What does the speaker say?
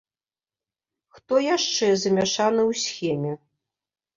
Хто яшчэ замяшаны ў схеме?